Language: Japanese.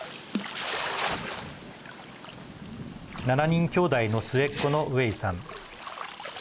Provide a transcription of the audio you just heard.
７人きょうだいの末っ子のウエイさん。